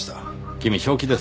君正気ですか？